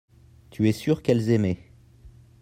tu es sûr qu'elles aimaient.